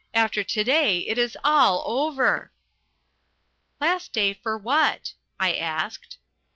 After to day it is all over." "Last day for what?" I asked.